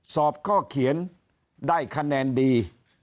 สอบข้อเขียนได้คะแนนดี